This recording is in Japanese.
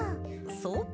そっか。